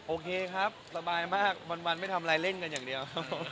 โอเคครับสบายมากวันไม่ทำอะไรเล่นกันอย่างเดียวครับผม